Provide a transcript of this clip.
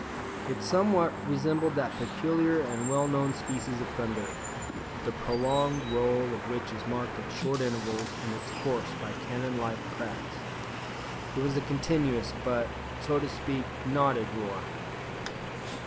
It somewhat resembled that peculiar and well known species of thunder, the prolonged roll of which is marked at short intervals in its course by cannon like cracks. It was a continuous, but, so to speak, knotted roar.